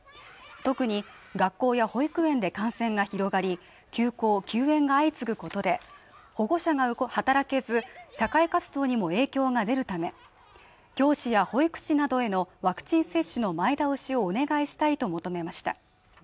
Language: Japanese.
特に学校や保育園で感染が広がり休校・休園が相次ぐことで保護者が働けず社会活動にも影響が出るため教師や保育士などへのワクチン接種の前倒しをお願いしたいと求めました